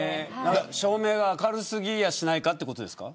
照明が明るすぎやしないかということですか。